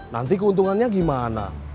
nanti keuntungannya gimana